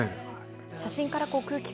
写真から空気感